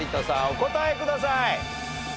お答えください。